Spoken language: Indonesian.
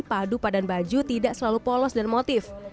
padupadan baju tidak selalu polos dan motif